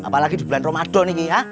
apalagi di bulan ramadan ini ya